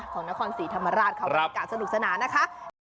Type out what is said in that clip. ของนครศรีธรรมราชเขาบรรยากาศสนุกสนานนะคะ